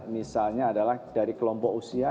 misalnya adalah dari kelompok usia